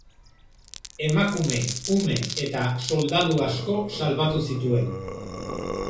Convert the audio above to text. Emakume, ume eta soldadu asko salbatu zituen.